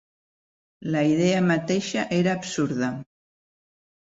La idea mateixa era absurda.